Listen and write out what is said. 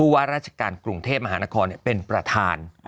ว่าราชการกรุงเทพมหานครเป็นประธาน